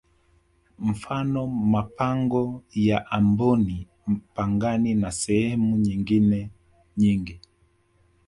Mfano mapango ya amboni pangani na sehemu nyingine nyingi